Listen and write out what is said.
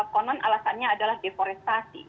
konon alasannya adalah deforestasi